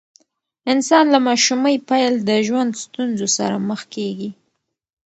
انسان له ماشومۍ پیل د ژوند ستونزو سره مخ کیږي.